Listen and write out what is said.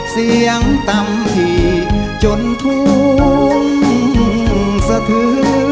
เสียงตำพี่จนทุนสะทือ